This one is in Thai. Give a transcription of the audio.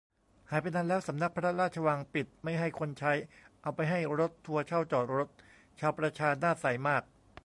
หายไปนานแล้ว สำนักพระราชวังปิดไม่ให้คนใช้ เอาไปให้รถทัวร์เช่าจอดรถ ชาวประชาหน้าใสมาก